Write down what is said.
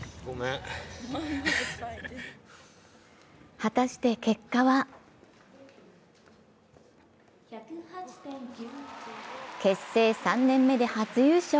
果たして結果は結成３年目で初優勝。